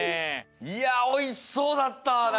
いやおいしそうだった！